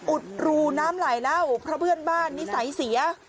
อุดรูน้ำไหลเหล้าเพราะเพื่อนบ้านนิสัยเสีย